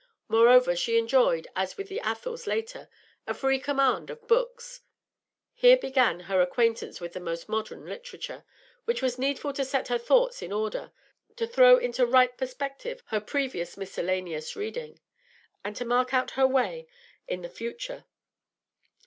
Moreover, she enjoyed, as with the Athels later, a free command of books; here began her acquaintance with the most modern literature, which was needful to set her thoughts in order, to throw into right perspective her previous miscellaneous reading, and to mark out her way in the future.